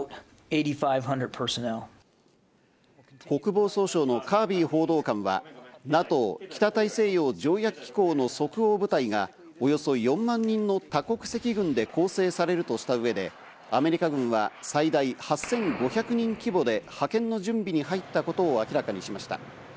国防総省のカービー報道官は、ＮＡＴＯ＝北大西洋条約機構の即応部隊がおよそ４万人の多国籍軍で構成されるとした上で、アメリカ軍は最大８５００人規模で派遣の準備に入ったことを明らかにしました。